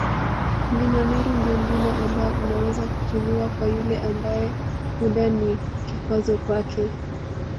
Mlima Meru ndio mlima ambao unaweza kutumiwa kwa yule ambae muda ni kikwazo kwake